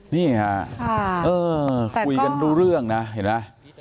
นี่ค่ะคุยกันรู้เรื่องนะเห็นไหม